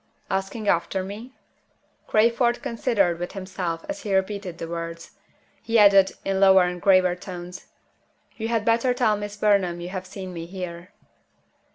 "Asking after me?" Crayford considered with himself as he repeated the words. He added, in lower and graver tones, "You had better tell Miss Burnham you have seen me here."